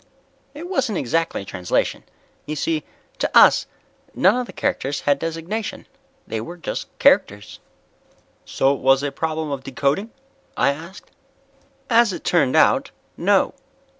"It wasn't exactly translation. You see, to us none of the characters had designation. They were just characters." "So it was a problem of decoding?" I asked. "As it turned out, no.